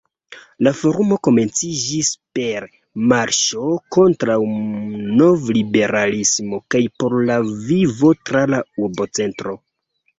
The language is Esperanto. La forumo komenciĝis per “marŝo kontraŭ novliberalismo kaj por la vivo tra la urbocentro.